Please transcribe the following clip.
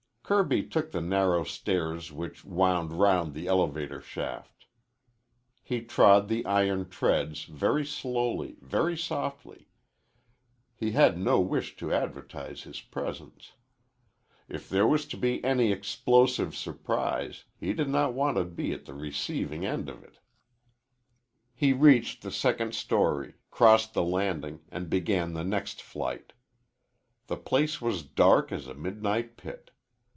Kirby took the narrow stairs which wound round the elevator shaft. He trod the iron treads very slowly, very softly. He had no wish to advertise his presence. If there was to be any explosive surprise, he did not want to be at the receiving end of it. He reached the second story, crossed the landing, and began the next flight. The place was dark as a midnight pit.